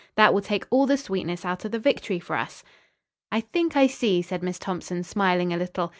That will take all the sweetness out of the victory for us." "I think I see," said Miss Thompson, smiling a little.